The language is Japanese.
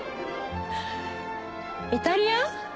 イタリア？